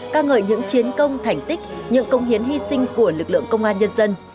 ca ngợi những chiến công thành tích những công hiến hy sinh của lực lượng công an nhân dân